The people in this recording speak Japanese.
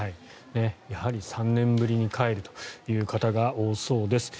やはり３年ぶりに帰るという方が多そうです。